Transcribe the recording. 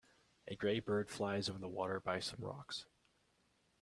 A gray bird flies over the water by some rocks.